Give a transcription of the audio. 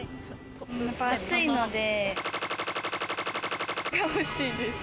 暑いので、が欲しいです。